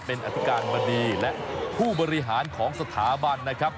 เป็นอธิการบดีและผู้บริหารของสถาบันนะครับ